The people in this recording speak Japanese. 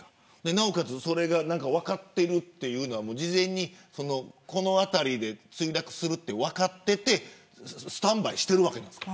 なおかつ、それが分かっているというのは事前にこの辺りで墜落すると分かっていてスタンバイしているわけですか。